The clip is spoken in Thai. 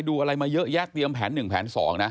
ดูอะไรมาเยอะแยะเตรียมแผน๑แผน๒นะ